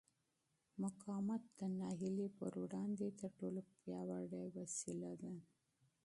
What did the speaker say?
مقاومت د ناهیلۍ پر وړاندې تر ټولو پیاوړې وسله ده.